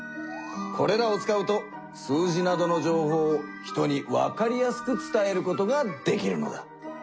これらを使うと数字などの情報を人にわかりやすく伝えることができるのだ！